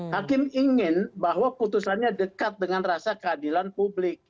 hakim ingin bahwa putusannya dekat dengan rasa keadilan publik